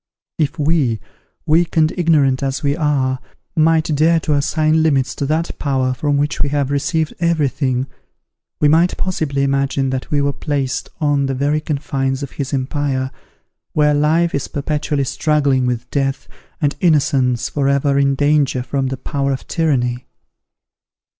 If we, weak and ignorant as we are, might dare to assign limits to that Power from whom we have received every thing, we might possibly imagine that we were placed on the very confines of his empire, where life is perpetually struggling with death, and innocence for ever in danger from the power of tyranny!